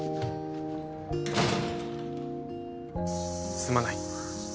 ・すまない。